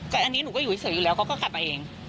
แต่อันนี้หนูก็อยู่เฉยอยู่แล้วเขาก็ขับมาเอง